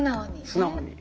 素直に。